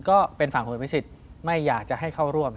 ก็เป็นฝั่งคุณอภิษฎไม่อยากจะให้เข้าร่วม